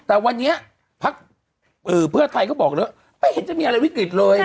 แต่วันนี้พักเพื่อไทยก็บอกเลยว่าไม่เห็นจะมีอะไรวิกฤตเลย